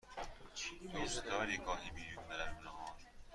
دوست داری گاهی برویم نهار؟